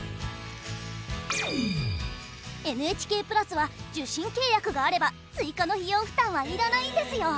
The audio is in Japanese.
ＮＨＫプラスは受信契約があれば追加の費用負担は要らないんですよ。